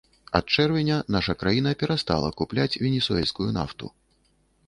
Ад чэрвеня наша краіна перастала купляць венесуэльскую нафту.